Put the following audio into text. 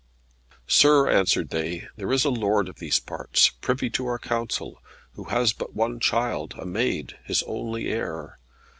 "Sir," answered they, "there is a lord of these parts, privy to our counsel, who has but one child, a maid, his only heir.